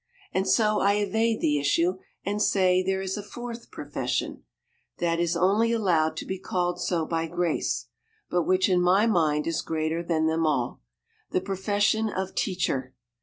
And so I evade the issue and say there is a fourth profession, that is only allowed to be called so by grace, but which in my mind is greater than them all the profession of Teacher.